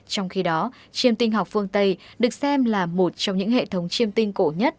trong khi đó chiêm tinh học phương tây được xem là một trong những hệ thống chiêm tinh cổ nhất